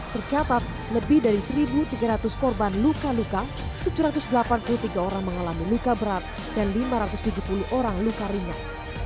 tercatat lebih dari satu tiga ratus korban luka luka tujuh ratus delapan puluh tiga orang mengalami luka berat dan lima ratus tujuh puluh orang luka ringan